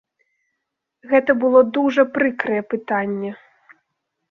Гэта было дужа прыкрае пытанне.